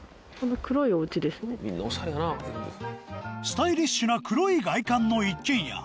スタイリッシュな黒い外観の一軒家